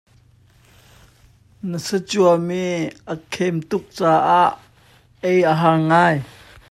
Na sa cuarmi a khem tuk caah ei a har ngai.